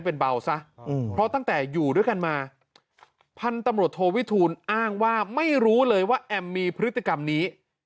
เป็นเบาซะเพราะตั้งแต่อยู่ด้วยกันมาพันธุ์ตำรวจโทวิทูลอ้างว่าไม่รู้เลยว่าแอมมีพฤติกรรมนี้